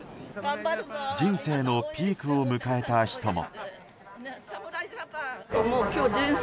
人生のピークを迎えた人も。